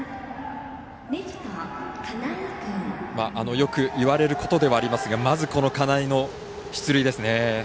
よく言われることではありますがまず、この金井の出塁ですね。